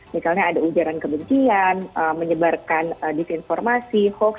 misalnya ada ujaran kebencian menyebarkan disinformasi hoax